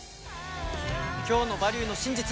今日の「バリューの真実」